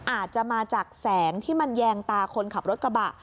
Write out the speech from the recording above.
อาจจะมาจากแสงที่มันแยงตาคนขับรถกระบะ